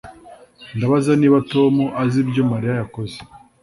Ndabaza niba Tom azi ibyo Mariya yakoze